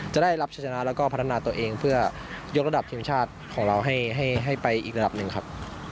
จะได้รับชนะแล้วก็พัฒนาตัวเองเพื่อยกระดับทีมชาติของเราให้ไปอีกระดับหนึ่งครับ